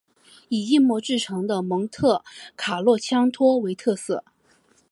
以硬木制成的蒙特卡洛枪托为特色。